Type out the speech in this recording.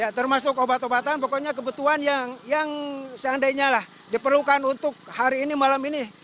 ya termasuk obat obatan pokoknya kebutuhan yang seandainya lah diperlukan untuk hari ini malam ini